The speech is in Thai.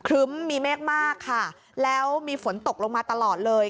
รึ้มมีเมฆมากค่ะแล้วมีฝนตกลงมาตลอดเลย